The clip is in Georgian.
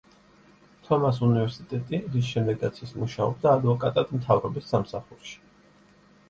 თომას უნივერსიტეტი, რის შემდეგაც ის მუშაობდა ადვოკატად მთავრობის სამსახურში.